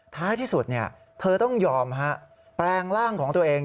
ท้ายที่สุดเธอต้องยอมแปลงร่างของตัวเอง